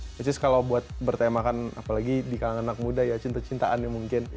which is kalau buat bertemakan apalagi di kalangan anak muda ya cinta cintaan ya mungkin